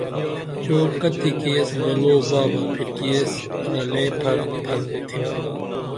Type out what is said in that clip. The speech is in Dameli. چعوکتیکی یس بلو بابہ پھرکی یس رلے پھر پھن تھینا